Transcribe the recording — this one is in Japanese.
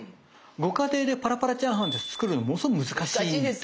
ご家庭でパラパラチャーハンって作るのものすごく難しいですよ。